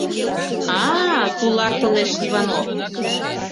А? — тулартылеш Иванов.